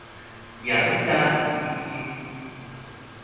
娘家滴雞精